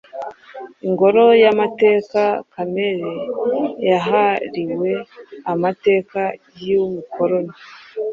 Ingoro y’amateka kamere yahariwe amateka y’ubukoroni